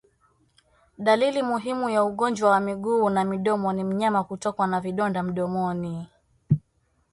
Dalili muhimu ya ugonjwa wa miguu na midomo ni mnyama kutokwa na vidonda mdomoni